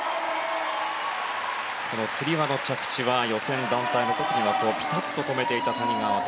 つり輪の着地は予選、団体の時にはピタッと止めていた谷川航。